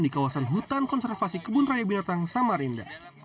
di kawasan hutan konservasi kebun raya binatang samarinda